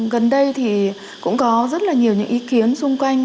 gần đây thì cũng có rất là nhiều những ý kiến xung quanh